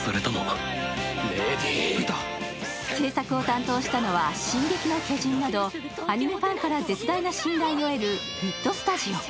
制作を担当したのは「進撃の巨人」などアニメファンから絶大な信頼を得るＷＩＴＳＴＵＤＩＯ。